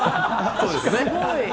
そうですね。